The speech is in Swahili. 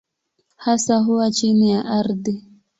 Hasa huwa chini ya ardhi.